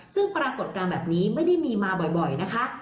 ซึ่งปรากฏการณ์แบบนี้ไม่ได้มีมาบ่อยนะคะ